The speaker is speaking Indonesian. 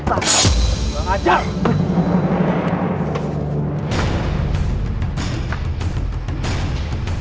kamu hanya seorang rakyat jelata